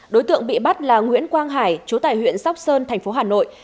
đối tượng bị bắt là nguyễn quang hải chú tại huyện sóc sơn tp hà nội